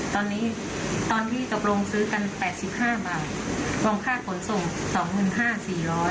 ตอนนี้ตอนที่จบโรงซื้อกัน๘๕บาทรองค่าผลส่ง๒๕๔๐๐บาท